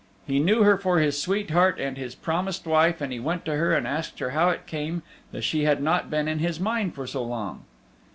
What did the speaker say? He knew her for his sweetheart and his promised wife and he went to her and asked her how it came that she had not been in his mind for so long.